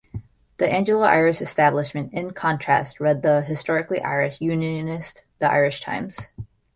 The Anglo-Irish establishment in contrast read the historically Irish unionist "The Irish Times".